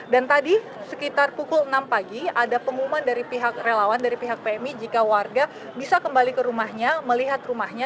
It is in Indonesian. dan tadi sekitar pukul enam pagi ada pengumuman dari pihak relawan dari pihak pmi jika warga bisa kembali ke rumahnya melihat rumahnya